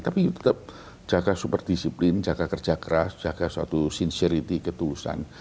tapi tetap jaga super disiplin jaga kerja keras jaga suatu sincerity ketulusan